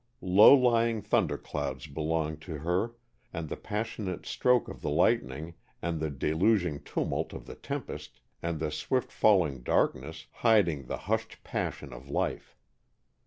Low lying thunder clouds belonged to her, and the passionate stroke of the lightning, and the deluging tumult of the tempest, and the swift falling darkness, hiding the hushed passion of Life.